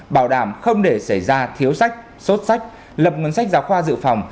bảo đảm không để xảy ra thiếu sách sốt sách lập ngân sách giáo khoa dự phòng